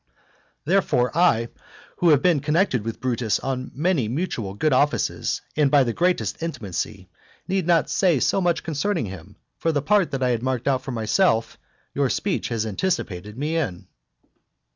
Therefore I, who have been connected with Brutus by many mutual good offices and by the greatest intimacy, need not say so much concerning him for the part that I had marked out for myself your speech has anticipated me in.